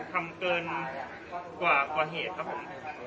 ทำเกินกว่าก่อเหตุครับผม